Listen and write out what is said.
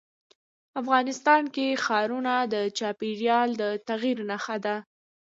افغانستان کې ښارونه د چاپېریال د تغیر نښه ده.